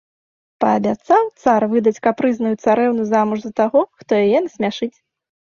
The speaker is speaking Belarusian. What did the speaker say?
Паабяцаў цар выдаць капрызную царэўну замуж за таго, хто яе насмяшыць.